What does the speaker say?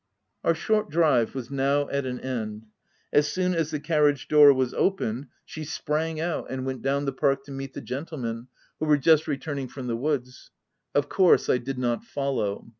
Our short drive was now at an end. As soon as the carriage door was opened, she 324 THE TENANT sprang out, and went down the park to meet the gentlemen, who were just returning from the woods. Of course I did not follow.